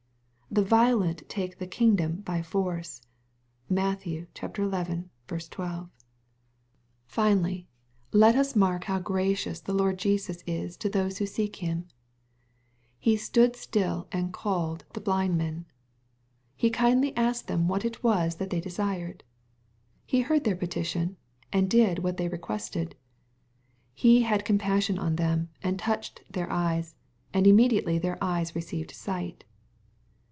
'' The violent take the king dom by force." (Matt. xi. 12.) Finally, let us mark how gracious the Lord Jesus is ic 262 EXPOSITORY THOUGHTS. ikose who seek Him, " He stood still and called'* the blind men. He kindly asked them what it was that they desired. He heard their petition, and did what they requested. He " had compassion on them, and touched their eyes — and immediately their eyes received sight.'